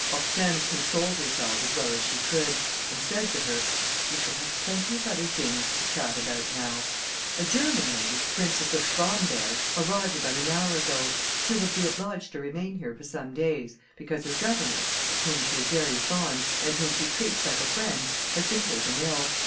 Hortense consoled herself as well as she could, and said to her, "We shall have plenty of other things to chat about now; a German lady, the Princess de Schwamberg, arrived about an hour ago; she will be obliged to remain here for some days, because her governess, of whom she is very fond, and whom she treats like a friend, has been taken ill.